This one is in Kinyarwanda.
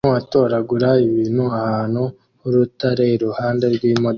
Umuntu atoragura ibintu ahantu h'urutare iruhande rw'imodoka